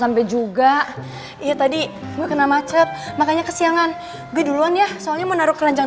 sampai jumpa di video selanjutnya